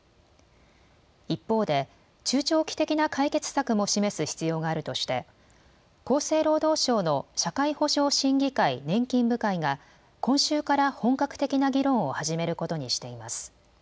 一方で中長期的な解決策も示す必要があるとして厚生労働省の社会保障審議会・年金部会が今週から本格的な議論を始めることにしています。